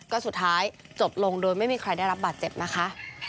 ก็สุดท้ายจบลงโดยไม่มีใครได้รับบาดเจ็บนะคะ